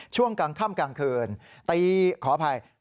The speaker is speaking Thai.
ช่วงกลางค่ำกลางคืนตีขออภัย